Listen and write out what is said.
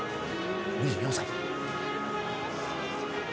２４歳。